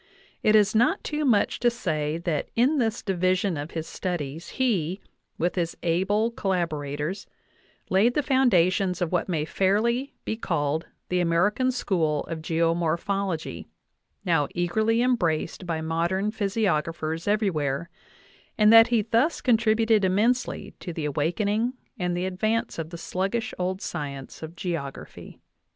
I It is not too much to say that in this division of his studies/ne, with his able collabo rators, laid the foundations of what may be fairly called the American school of geomorphology, now eagerly embraced by modern physiographers everywhere, and that he thus con tributed immensely to the awakening and the advance of the sluggish old science of geography.